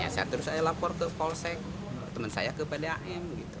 saya terus lapor ke polsek teman saya ke bdam